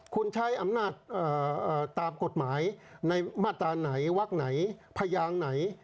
คุณใช้อำนาจตามกฎหมายในมาตราไหนวักไหนพยางไหน